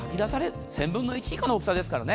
１０００分の１以下の大きさですからね。